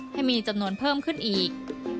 ให้มีจำนวนเพิ่มขึ้นอีก